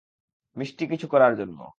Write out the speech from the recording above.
মিষ্টি কিছু করার জন্য।